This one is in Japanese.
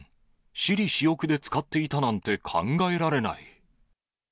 私利私欲で使っていたなんて考えられない。